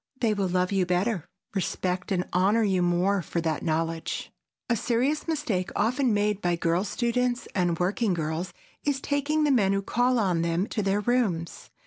They will love you better, respect and honor you more for that knowledge. A serious mistake often made by girl students and working girls is taking the men who call on them to their rooms.